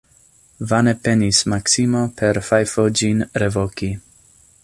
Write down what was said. Vane penis Maksimo per fajfo ĝin revoki.